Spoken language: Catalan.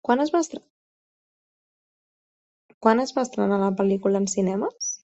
Quan es va estrenar la pel·lícula en cinemes?